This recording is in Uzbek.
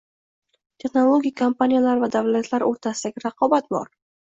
Texnologik kompaniyalar va davlatlar o’rtasidagi raqobat bor.